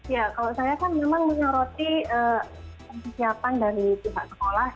ya kalau saya kan memang menyoroti persiapan dari pihak sekolah